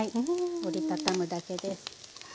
折り畳むだけです。